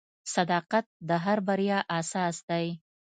• صداقت د هر بریا اساس دی.